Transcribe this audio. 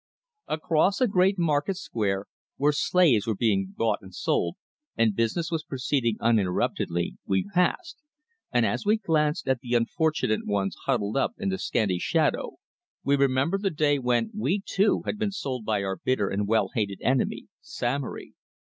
Across a great market square, where slaves were being bought and sold, and business was proceeding uninterruptedly, we passed, and as we glanced at the unfortunate ones huddled up in the scanty shadow, we remembered the day when we, too, had been sold by our bitter and well hated enemy, Samory.